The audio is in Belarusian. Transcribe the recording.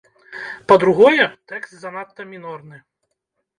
Па-другое, тэкст занадта мінорны.